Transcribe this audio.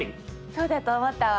そうだと思ったわ。